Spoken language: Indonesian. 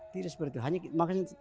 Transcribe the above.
tidak seperti itu